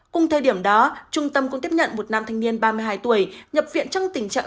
cùng thời điểm đó trung tâm cũng tiếp nhận một nam thanh niên ba mươi hai tuổi nhập viện trong tình trạng